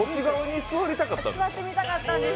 座ってみたかったんです